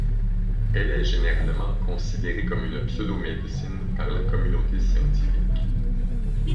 Elle est généralement considérée comme une pseudo-médecine par la communauté scientifique.